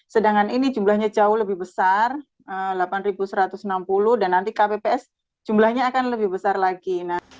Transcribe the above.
sedangkan ini jumlahnya jauh lebih besar delapan satu ratus enam puluh dan nanti kpps jumlahnya akan lebih besar lagi